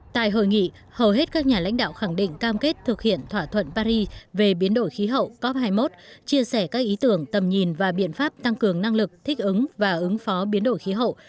tại hội nghị hầu hết các nhà lãnh đạo khẳng định cam kết thực hiện thỏa thuận paris về biến đổi khí hậu cop hai mươi một chia sẻ các ý tưởng tầm nhìn và biện pháp tăng cường năng lực thích ứng và ứng phó biến đổi khí hậu